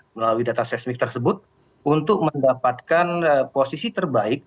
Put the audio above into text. melalui data seismik tersebut untuk mendapatkan posisi terbaik